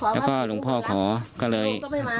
แล้วก็หลวงพ่อขอก็เลย